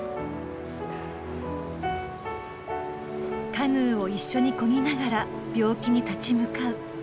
カヌーを一緒にこぎながら病気に立ち向かう。